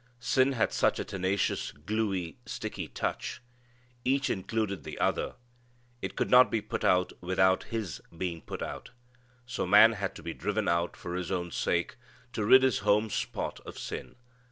Sin has such a tenacious, gluey, sticky touch! Each included the other. It could not be put out without his being put out. So man had to be driven out for his own sake to rid his home spot of sin.